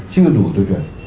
chưa đủ tiêu chuẩn